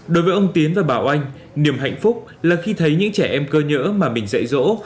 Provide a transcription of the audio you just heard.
đối với ông tiến và bà oanh niềm hạnh phúc là khi thấy những trẻ em cơ nhỡ mà mình dạy dỗ